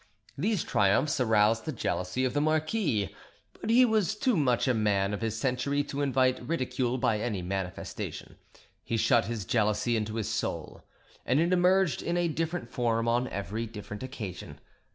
These triumphs aroused the jealousy of the marquis; but he was too much a man of his century to invite ridicule by any manifestation; he shut his jealousy into his soul, and it emerged in a different form on every different occasion.